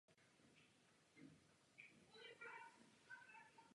Vyzýváme Komisi, aby předřadila zájmy spotřebitelů zájmům zainteresovaných stran.